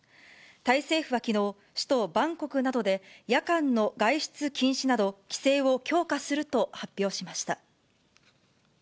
タイ政府はきのう、首都バンコクなどで、夜間の外出禁止など、規制を強化すると発表しました。